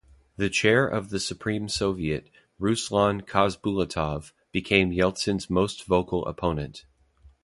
The Chair of the Supreme Soviet, Ruslan Khasbulatov, became Yeltsin's most vocal opponent.